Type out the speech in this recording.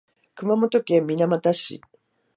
熊本県水俣市